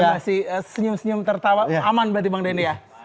ya senyum senyum tertawa aman berarti bang denny ya